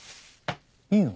いいの？